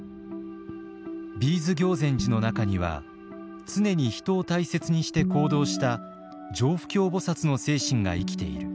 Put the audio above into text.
Ｂ’ｓ行善寺の中には常に人を大切にして行動した常不軽菩薩の精神が生きている。